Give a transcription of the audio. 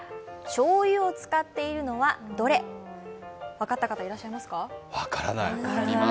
分かった方いらっしゃいますか？